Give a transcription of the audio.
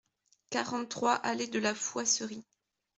quarante-trois allée de la Fouasserie